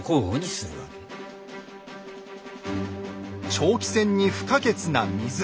長期戦に不可欠な水。